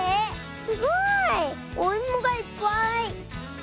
すごい。おいもがいっぱい。